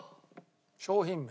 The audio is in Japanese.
商品名？